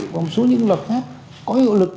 và một số những luật khác có hiệu lực